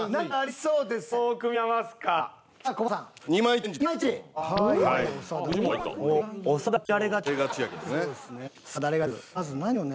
そうですね。